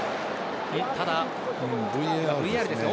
ただ、ＶＡＲですね。